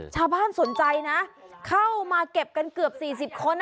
ชาวบ้านสนใจนะเข้ามาเก็บกันเกือบ๔๐คน